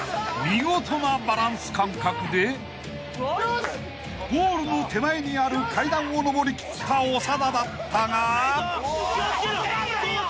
［見事なバランス感覚でゴールの手前にある階段をのぼりきった長田だったが］